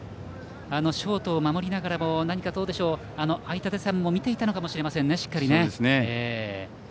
ショートを守りながらも相手打線も見ていたのかもしれませんね、しっかり。